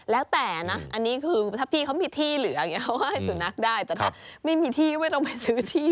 แล้วแต่นะอันนี้คือถ้าพี่เขามีที่เหลืออย่างนี้เขาก็ให้สุนัขได้แต่ถ้าไม่มีที่ไม่ต้องไปซื้อที่